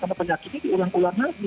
karena penyakitnya diulang ulang lagi